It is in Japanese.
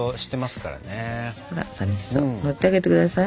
乗ってあげて下さい。